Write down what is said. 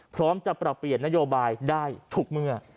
พร้อมจะปรับเปลี่ยนนโยบายได้ทุกเมื่อ